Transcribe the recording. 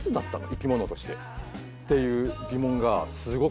生き物としてっていう疑問がすごく湧いて。